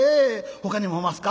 ほかにもおますか？」。